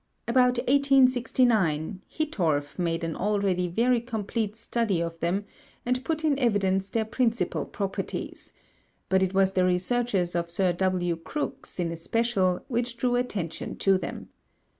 About 1869, Hittorf made an already very complete study of them and put in evidence their principal properties; but it was the researches of Sir W. Crookes in especial which drew attention to them.